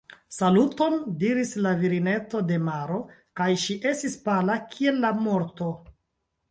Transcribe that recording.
« Saluton », diris la virineto de maro kaj ŝi estis pala kiel la morto.